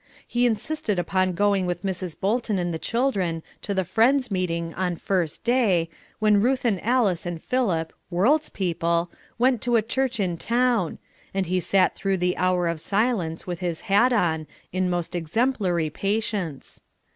He insisted upon going with Mrs. Bolton and the children to the Friends Meeting on First Day, when Ruth and Alice and Philip, "world's people," went to a church in town, and he sat through the hour of silence with his hat on, in most exemplary patience.